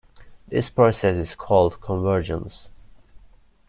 This process is called convergence.